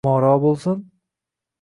Moro bo'lsin!